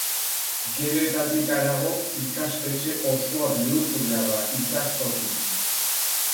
Geletatik harago, ikastetxe osoa bihurtu behar da ikastokia.